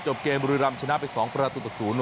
จบเกมบุรีรัมชนะไป๒ประดาษฐุตศูนย์